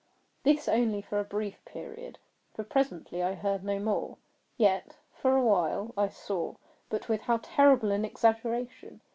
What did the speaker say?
This only for a brief period, for presently I heard no more. Yet, for a while, I saw—but with how terrible an exaggeration!